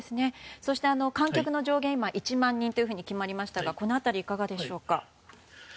そして、観客の上限は１万人と決まりましたがこの辺り、いかがでしょうか。